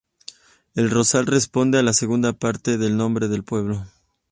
El rosal responde a la segunda parte del nombre del pueblo.